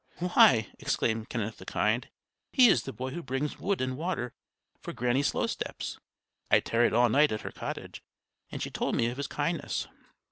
"Why!" exclaimed Kenneth the Kind, "he is the boy who brings wood and water for Granny Slowsteps. I tarried all night at her cottage, and she told me of his kindness."